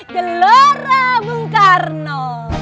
gelora bung karno